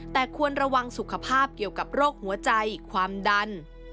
แต่ควรระวังสุขภาพเกี่ยวกับโรคหัวใจความดัน